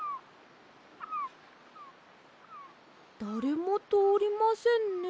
だれもとおりませんね。